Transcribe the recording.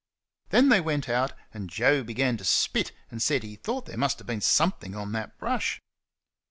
Then they came out, and Joe began to spit and said he thought there must have been something on that brush.